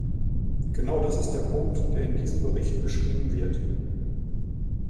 Genau das ist der Punkt, der in diesem Bericht beschrieben wird.